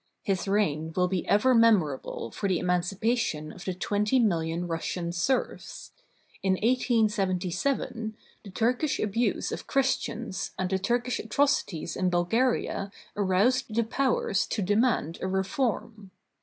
His reign will be ever memorable for the emancipation of the twenty million Russian serfs. In 1877, the Turkish abuse of Christians and the Turkish atrocities in Bulgaria aroused the Powers to de mand a reform.